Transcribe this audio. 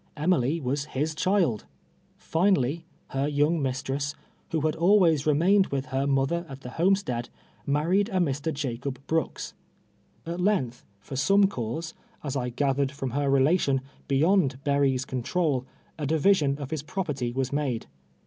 Emily was his chiltl I Einally, her young mistress, who had always I'enuiined with lier mother at the homestead, nuirried a Mr. Jacob l>roolvs. At length, for some cause, (as I gathered from her relation.) beyond JJerry's control, a division of his property was nuide.